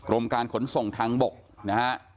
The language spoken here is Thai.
การขนส่งทางบกนะฮะ